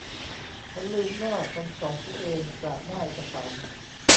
ฉันลืมว่าฉันสอนตัวเองจากหน้าเอกสาร